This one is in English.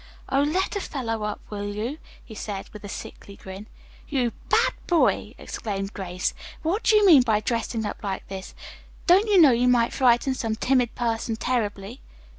"Oh, let a fellow up, will you?" he said, with a sickly grin. "You bad boy!" exclaimed Grace. "What do you mean by dressing up like this? Don't you know you might frighten some timid person terribly?"